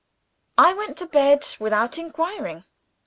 I went to bed without inquiring.